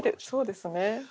そうですね。